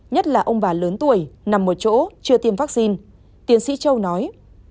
nhất là ông bà lớn tuổi nằm một chỗ chưa tiêm vaccine tiến sĩ châu nói